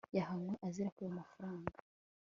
yahanwe azira kwiba amafaranga